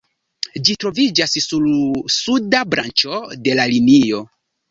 Ĝi troviĝas sur suda branĉo de la linio.